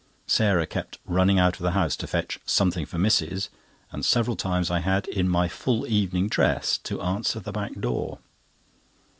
Sarah kept running out of the house to fetch "something for missis," and several times I had, in my full evening dress, to answer the back door.